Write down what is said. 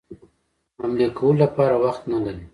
حملې کولو لپاره وخت نه لري.